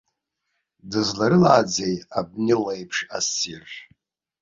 Дызларылиаазеи абни леиԥш ассир!